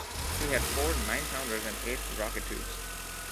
He had four nine-pounders and eight rocket-tubes.